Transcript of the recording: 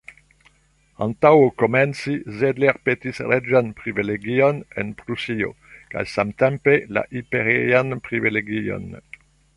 Antaŭ ol komenci, Zedler petis reĝan privilegion en Prusio, kaj samtempe la imperian privilegion.